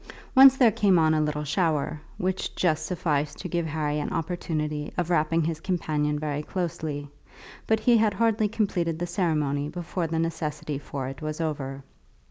Once there came on a little shower, which just sufficed to give Harry an opportunity of wrapping his companion very closely, but he had hardly completed the ceremony before the necessity for it was over.